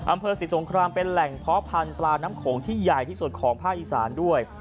อำเภอศรีสงครามเป็นแหล่งเพาะพันธุ์ปลาน้ำโขงที่ใหญ่ที่สุดของภาคอีสานด้วย